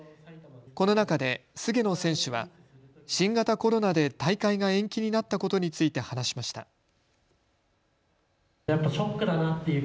この中で菅野選手は新型コロナで大会が延期になったことについて話しました。